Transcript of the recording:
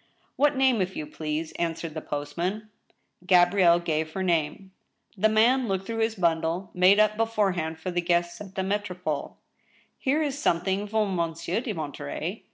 *• What name, if you please ?" answered the postman. Gabrielle gave her name. The man looked through his bundle, made up beforehand for the guests at the M^tropole. " Here is something for Monsieur de Monterey."